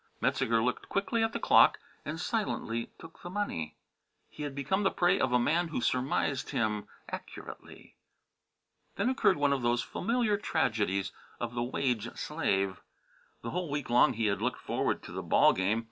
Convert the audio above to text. Metzeger looked quickly at the clock and silently took the money. He had become the prey of a man who surmised him accurately. Then occurred one of those familiar tragedies of the wage slave. The whole week long he had looked forward to the ball game.